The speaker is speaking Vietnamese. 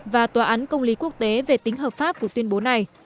và tòa án công lý quốc tế về tính hợp pháp của tuyên bố này